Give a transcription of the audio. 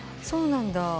そうなんだ。